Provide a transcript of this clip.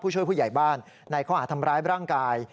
ช่วยผู้ใหญ่บ้านในข้อหาทำร้ายร่างกาย